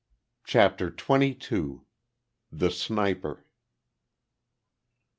CHAPTER TWENTY TWO. THE SNIPER.